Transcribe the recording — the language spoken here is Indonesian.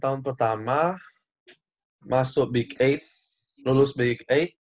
tahun pertama masuk big delapan lulus big delapan